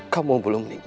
kamu belum meninggal